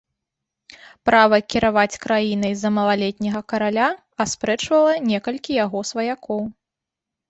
Права кіраваць краінай за малалетняга караля аспрэчвала некалькі яго сваякоў.